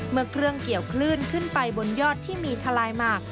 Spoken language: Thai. เมื่อเครื่องเกี่ยวคลื่นขึ้นไปบนยอดที่มีทะลายหมาก